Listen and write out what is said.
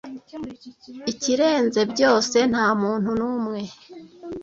ikirenze byose nta muntu numwe